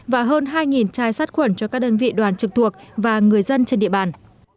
và hơn hai chai sát khuẩn cho các đơn vị đoàn trực thuộc và người dân trên địa bàn